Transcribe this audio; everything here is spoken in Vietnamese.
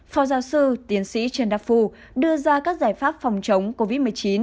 phó giáo sư tiến sĩ trần đắc phu đưa ra các giải pháp phòng chống covid một mươi chín